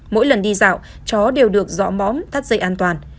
mỗi lần đi dạo chó đều được dõ mõm tắt dây an toàn